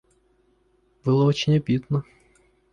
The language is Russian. Было очень обидно.